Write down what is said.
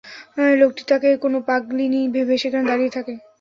লোকটি তাকে কোন পাগলিনী ভেবে সেখানে দাঁড়িয়ে থাকে।